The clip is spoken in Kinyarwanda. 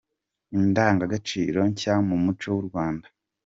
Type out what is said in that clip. Indangagaciro nshya mu muco w’u Rwanda.